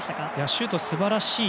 シュート、素晴らしい。